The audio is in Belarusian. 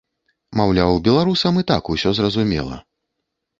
Маўляў, беларусам і так усё зразумела.